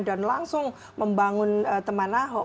dan langsung membangun teman ahok